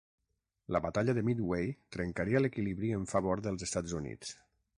La Batalla de Midway trencaria l'equilibri en favor dels Estats Units.